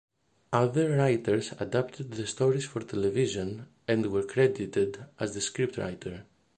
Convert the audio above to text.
Other writers adapted the stories for television and were credited as the scriptwriter.